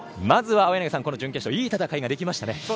まずは青柳さん、準決勝いい戦い方ができましたね。